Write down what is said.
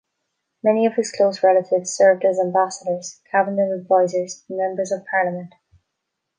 Many of his close relatives served as ambassadors, cabinet advisors, and members of parliament.